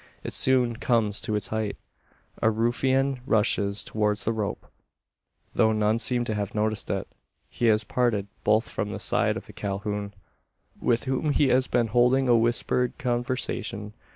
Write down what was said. It soon comes to its height. A ruffian rushes towards the rope. Though none seem to have noticed it, he has parted from the side of Calhoun with whom he has been holding a whispered conversation.